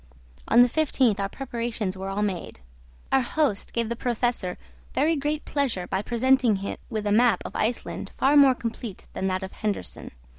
On the 15th our preparations were all made. Our host gave the Professor very great pleasure by presenting him with a map of Iceland far more complete than that of Hendersen.